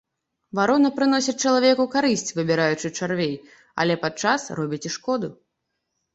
Варона прыносіць чалавеку карысць, выбіраючы чарвей, але падчас робіць і шкоду.